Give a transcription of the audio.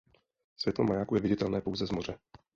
Světlo majáku je viditelné pouze z moře.